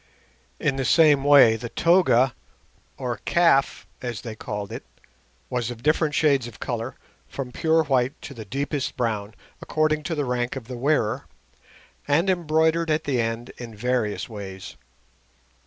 In the same way the toga, or "kaf", as they call it, was of different shades of colour, from pure white to the deepest brown, according to the rank of the wearer, and embroidered at the end in various ways.